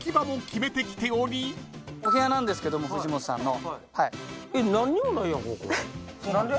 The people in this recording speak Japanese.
お部屋なんですけど藤本さんの。何で？